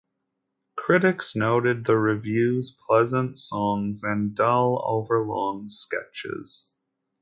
Critics noted the revue's pleasant songs and dull, overlong sketches.